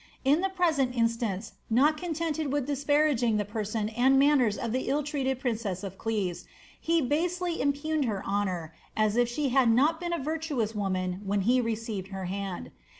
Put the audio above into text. In the present instance, not contented with disparaging the person and manners of the ill treated princess of Cieves, he basely impugned her honour, as if she had not been a virtuous woman when he received her hand.'